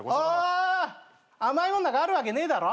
あっ甘いもんなんかあるわけねえだろ。